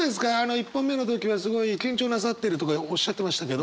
１本目の時はすごい緊張なさってるとかおっしゃってましたけど。